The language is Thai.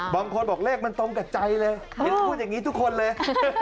บอกเลขมันตรงกับใจเลยเห็นพูดอย่างนี้ทุกคนเลย